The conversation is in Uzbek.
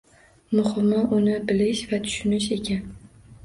Muhimi, uni bilish va tushunish ekan.